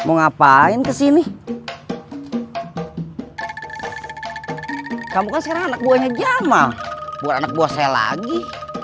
hai mau ngapain kesini kamu kan sekarang anak buahnya jamal buat anak buah saya lagi